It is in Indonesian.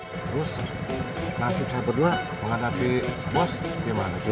terus nasib saya berdua menghadapi post gimana sih